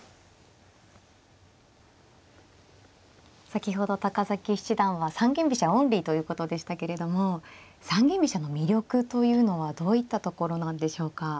先ほど七段は三間飛車オンリーということでしたけれども三間飛車の魅力というのはどういったところなんでしょうか。